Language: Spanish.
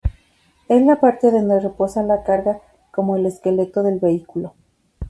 Es la parte donde reposa la carga, como el esqueleto del vehículo.